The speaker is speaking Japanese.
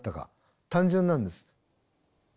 単純なんです。